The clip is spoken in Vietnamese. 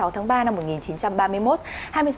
hai mươi sáu tháng ba năm một nghìn chín trăm ba mươi một